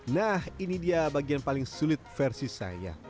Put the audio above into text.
nah ini dia bagian paling sulit versi saya